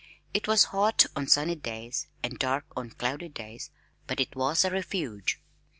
It was hot on sunny days and dark on cloudy days, but it was a refuge.